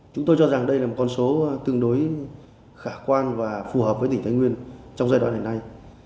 chúng tôi cho rằng đây là một con số tương đối khả quan và phù hợp với tỉnh thái nguyên trong giai đoạn hiện nay